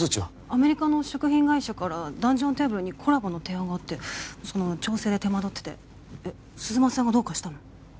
アメリカの食品会社からダンジョンテーブルにコラボの提案があってその調整で手間取っててえっ鈴間さんがどうかしたの？